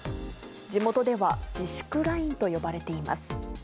地元では自粛ラインと呼ばれています。